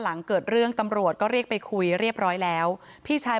หลังเกิดเรื่องตำรวจก็เรียกไปคุยเรียบร้อยแล้วพี่ชาย